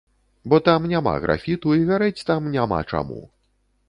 Бо там няма графіту і гарэць там няма чаму.